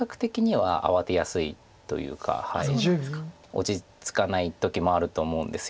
落ち着かない時もあると思うんです。